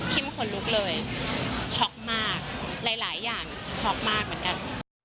คนลุกเลยช็อกมากหลายอย่างช็อกมากเหมือนกัน